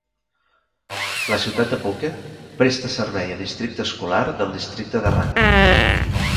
La ciutat de Puckett presta servei a districte escolar del districte de Rankin.